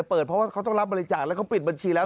เปิดเพราะว่าเขาต้องรับบริจาคแล้วเขาปิดบัญชีแล้ว